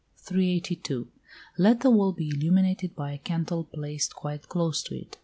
Let the wall be illumined by a candle placed quite close to it.